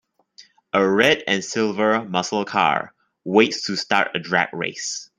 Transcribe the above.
A red and silver muscle car, waits to start a drag race.